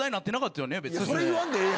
それ言わんでええ。